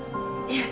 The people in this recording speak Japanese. いや。